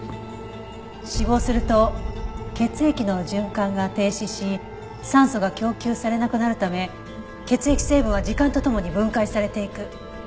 死亡すると血液の循環が停止し酸素が供給されなくなるため血液成分は時間とともに分解されていく。